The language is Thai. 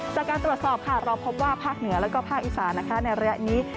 จากการตรวจสอบค่ะเราพบว่าภาคเหนือแล้วก็ภาคอีสานนะคะในระยะนี้